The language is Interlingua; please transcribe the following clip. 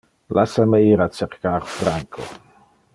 Lassa me ir cercar Franco.